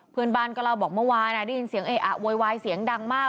เพื่อนบ้านก็เล่าบอกเมื่อวานได้ยินเสียงเออะโวยวายเสียงดังมาก